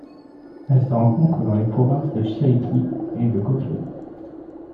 Elle se rencontre dans les provinces de Chiriquí et de Coclé.